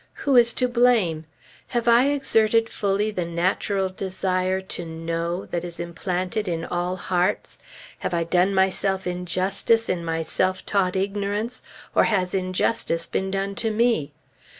Who is to blame? Have I exerted fully the natural desire To Know that is implanted in all hearts? Have I done myself injustice in my self taught ignorance, or has injustice been done to me?